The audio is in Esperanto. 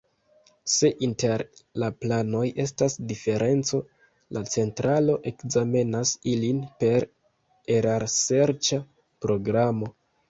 Se inter la planoj estas diferenco, la centralo ekzamenas ilin per erarserĉa programo.